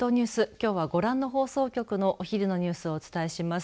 きょうはご覧の放送局のお昼のニュースをお伝えします。